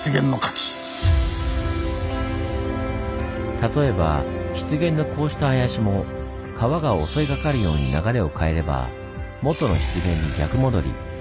例えば湿原のこうした林も川が襲いかかるように流れを変えれば元の湿原に逆戻り。